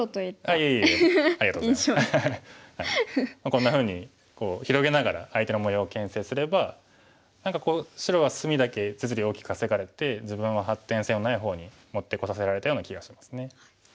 こんなふうにこう広げながら相手の模様をけん制すれば何か白は隅だけ実利を大きく稼がれて自分は発展性のない方に持ってこさせられたような気がしますね。